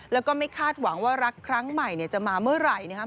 แล้วก็ไม่คาดหวังว่ารักครั้งใหม่จะมาเมื่อไหร่นะครับ